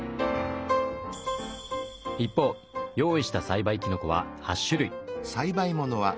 一方用意した栽培きのこは８種類。